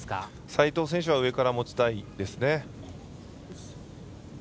斉藤選手は上から持ちたいですね。